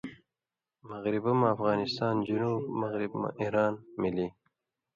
مغرب مہ افغانستان ، جنوب مغرب مہ ایران ملی